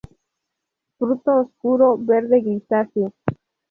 Fruto oscuro verde grisáceo.